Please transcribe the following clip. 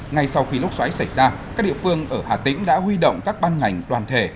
ngay sau khi lốc xoáy xảy ra các địa phương ở hà tĩnh đã huy động các ban ngành toàn thể